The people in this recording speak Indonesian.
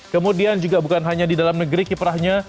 kemudian juga bukan hanya di dalam negeri kiprahnya